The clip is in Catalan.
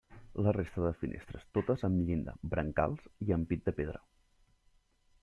La resta de finestres totes amb llinda, brancals i ampit de pedra.